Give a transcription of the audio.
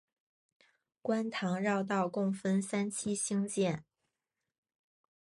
观塘绕道共分三期兴建。